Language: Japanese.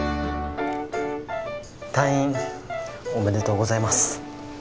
退院おめでとうございます。